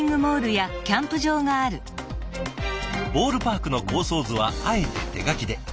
ボールパークの構想図はあえて手書きで。